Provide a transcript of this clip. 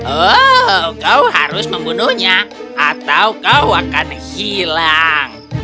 oh kau harus membunuhnya atau kau akan hilang